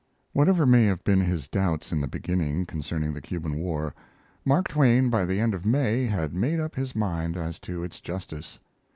Whatever may have been his doubts in the beginning concerning the Cuban War, Mark Twain, by the end of May, had made up his mind as to its justice.